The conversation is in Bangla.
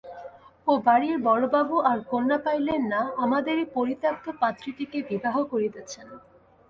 ও বাড়িরবড়োবাবু আর কন্যা পাইলেন না, আমাদেরই পরিত্যক্ত পাত্রীটিকে বিবাহ করিতেছেন।